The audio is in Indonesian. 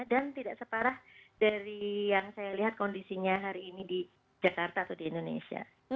dan tidak separah dari yang saya lihat kondisinya hari ini di jakarta atau di indonesia